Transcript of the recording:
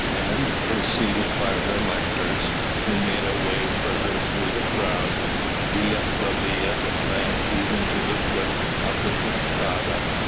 And preceded by her lictors, who made a way for her through the crowd, Dea Flavia advanced even to the foot of the catasta.